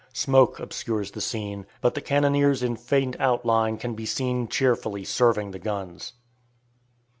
Smoke obscures the scene, but the cannoniers in faint outline can be seen cheerfully serving the guns.